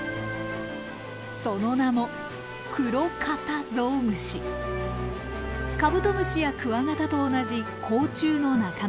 その名もカブトムシやクワガタと同じ甲虫の仲間。